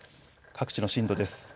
各地の震度です。